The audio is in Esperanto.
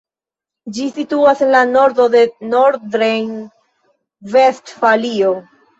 Ĝi situas en la nordo de Nordrejn-Vestfalio.